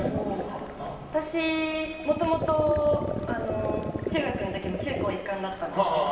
私、もともと中学の時も中高一貫だったんですけど。